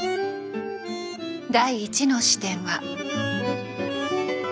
第１の視点は。